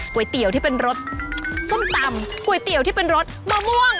ก๋วยเตี๋ยวที่เป็นรสส้มตำก๋วยเตี๋ยวที่เป็นรสมะม่วง